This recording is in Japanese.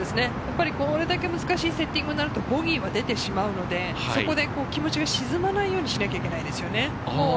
これだけ難しいセッティングになるとボギーは出てしまうので、そこで気持ちが沈まないようにしなくちゃいけないですよね。